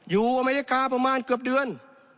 อเมริกาประมาณเกือบเดือน